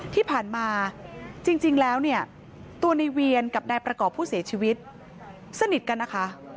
ที่ผ่านมาจริงแล้วเนี่ยตัวในเวียนกับนายประกอบผู้เสียชีวิตสนิทกันนะคะ